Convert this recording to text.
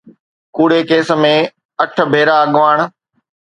ڪوڙي ڪيس ۾ اٺ ڀيرا اڳواڻ